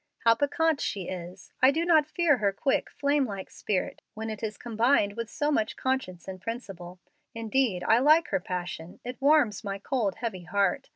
"How piquant she is! I do not fear her quick, flame like spirit when it is combined with so much conscience and principle. Indeed, I like her passion. It warms my cold, heavy heart.